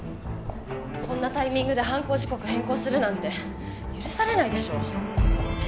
こんなタイミングで犯行時刻変更するなんて許されないでしょ？